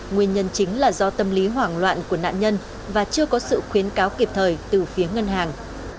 nguyên nhân chính là do tâm lý hoảng loạn của nạn nhân và chưa có sự khuyến cáo kịp thời từ phía ngân hàng